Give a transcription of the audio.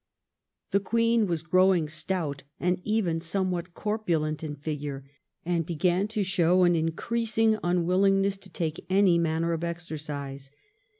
The Queen was growing stout and even somewhat corpulent in figure, and began to show an increasing unwillingness to take any manner of exercise.